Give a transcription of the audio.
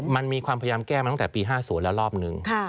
มันมีความพยายามแก้มาตั้งแต่ปี๕๐แล้วรอบหนึ่ง